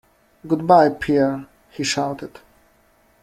Goodbye, Pierre, he shouted.